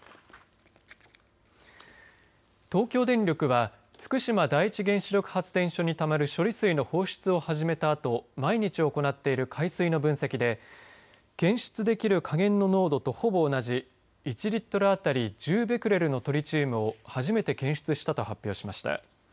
東京電力は福島第一原子力発電所にたまる処理水の放出を始めたあと毎日行っている海水の分析で検出できる下限の濃度とほぼ同じ１リットル当たり１０ベクレルのトリチウムを初めて検出したと発表しました。